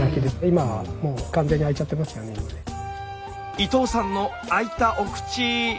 伊藤さんの開いたお口。